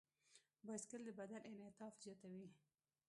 بایسکل د بدن انعطاف زیاتوي.